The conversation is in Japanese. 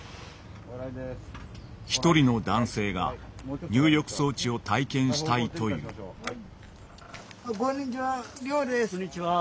一人の男性が入浴装置を体験したいというはい。